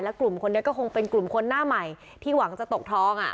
กลุ่มคนนี้ก็คงเป็นกลุ่มคนหน้าใหม่ที่หวังจะตกทอง